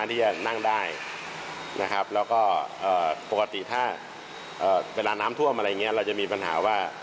นี่ไงค่ะคำถามเกิดว่า